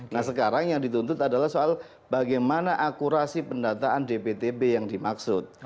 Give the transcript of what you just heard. nah sekarang yang dituntut adalah soal bagaimana akurasi pendataan dptb yang dimaksud